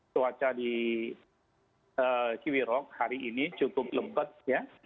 cuaca di kiwi rock hari ini cukup lembat ya